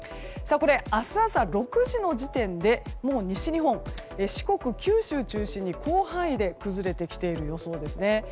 明日朝６時の時点で西日本四国、九州中心に広範囲で崩れていく予想ですね。